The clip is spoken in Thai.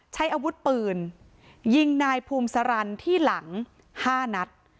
ใช้อาวุธปืนยิงนายภูมิสารันที่หลัง๕นัด